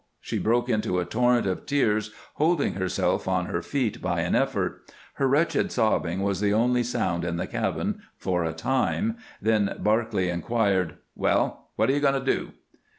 She broke into a torrent of tears, holding herself on her feet by an effort. Her wretched sobbing was the only sound in the cabin for a time, then Barclay inquired: "Well, what are you going to do?"